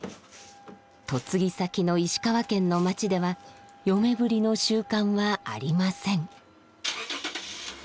嫁ぎ先の石川県の町では嫁ブリの習慣はありません。